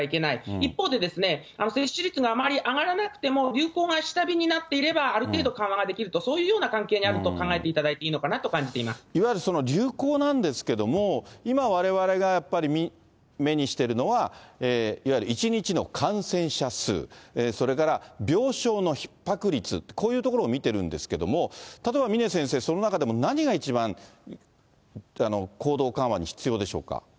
一方で、接種率があまり上がらなくても、流行が下火になっていれば、ある程度緩和ができると、そういうような関係にあると考えていただいていいのかなと感じていわゆるその、流行なんですけども、今われわれがやっぱり目にしているのは、いわゆる１日の感染者数、それから病床のひっ迫率、こういうところを見てるんですけども、例えば峰先生、その中でも何が一番行動緩和に必要でしょうか。